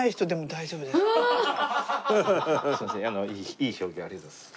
いい表現ありがとうございます。